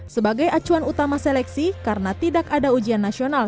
sebagai acuan utama seleksi karena tidak ada ujian nasional